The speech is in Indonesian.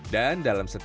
dan dalam sejarah